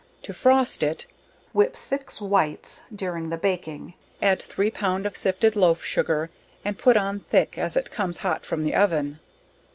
To frost it. Whip 6 whites, during the baking, add 3 pound of sifted loaf sugar and put on thick, as it comes hot from the oven.